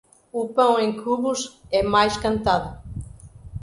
O pão em cubos é mais cantado.